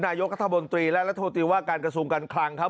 นายกรัฐมนตรีและรัฐมนตรีว่าการกระทรวงการคลังครับ